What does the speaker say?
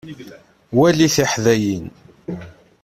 Wali tiḥdayin.